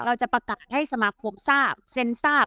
เราจะประกาศให้สมาคมทราบเซ็นทราบ